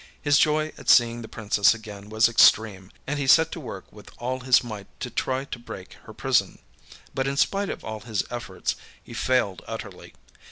His joy at seeing the Princess again was extreme, and he set to work with all his might to try to break her prison; but in spite of all his efforts he failed utterly.